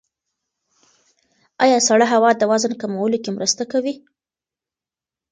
ایا سړه هوا د وزن کمولو کې مرسته کوي؟